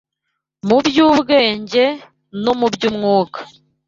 mu by’ubwenge no mu by’umwuka